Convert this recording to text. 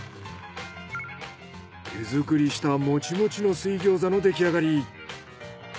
手作りしたモチモチの水餃子の出来上がり。